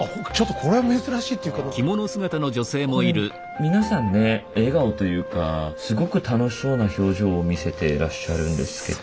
これ皆さんね笑顔というかすごく楽しそうな表情を見せていらっしゃるんですけど。